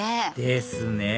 ですね